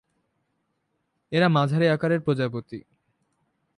এরা মাঝারি আকারের প্রজাপতি।